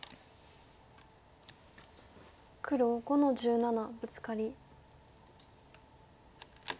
黒５の十七ブツカリ。